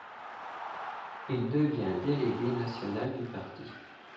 Il devient délégué national du parti.